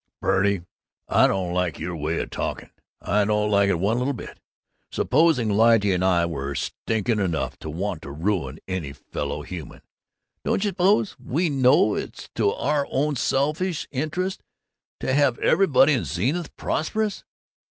"Purdy, I don't like your way of talking! I don't like it one little bit! Supposing Lyte and I were stinking enough to want to ruin any fellow human, don't you suppose we know it's to our own selfish interest to have everybody in Zenith prosperous?